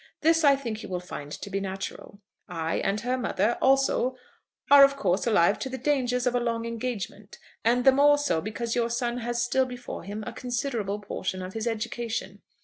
This, I think, you will find to be natural. "I and her mother also are of course alive to the dangers of a long engagement, and the more so because your son has still before him a considerable portion of his education.